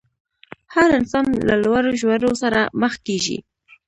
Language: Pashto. هر انسان له لوړو ژورو سره مخ کېږي.